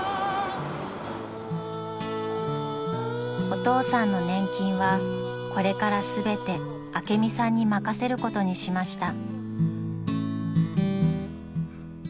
［お父さんの年金はこれから全て朱美さんに任せることにしました］